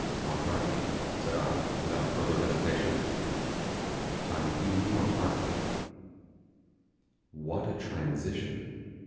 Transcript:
'Motarkee,' said I, without further hesitation 'Typee motarkee.' What a transition!